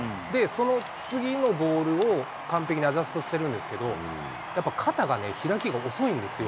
その次のボールを、完璧にアジャストしてるんですけど、やっぱ肩がね、開きが遅いんですよ。